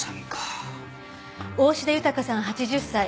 大志田豊さん８０歳。